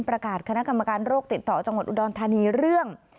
คณะกรรมการโรคติดต่อจังหวัดอุดรธานีเรื่อง